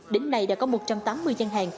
đến nay đã có một trăm tám mươi gian hàng